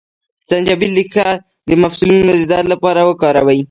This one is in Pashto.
د زنجبیل ریښه د مفصلونو د درد لپاره وکاروئ